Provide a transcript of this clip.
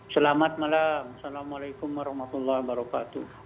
selamat malam assalamualaikum warahmatullahi wabarakatuh